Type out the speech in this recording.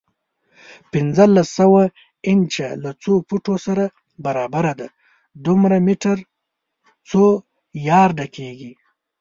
پنځلس سوه انچه له څو فوټو سره برابره ده؟ دوه میټر څو یارډه کېږي؟